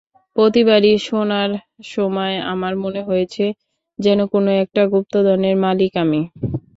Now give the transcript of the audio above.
প্রতিবারই শোনার সময় আমার মনে হয়েছে যেন কোনো একটা গুপ্তধনের মালিক আমি।